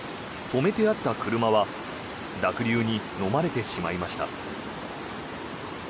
止めてあった車は濁流にのまれてしまいました。